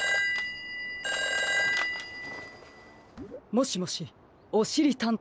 ☎もしもしおしりたんてい